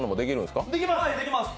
できます。